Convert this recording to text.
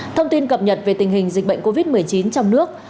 thông tin cập nhật về tình hình dịch bệnh covid một mươi chín trong nước